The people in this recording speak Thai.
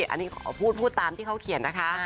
อันนี้ขอพูดตามที่เขาเขียนนะคะ